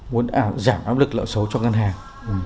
muốn giảm áp lực nợ xấu cho ngân hàng